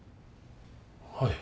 はい。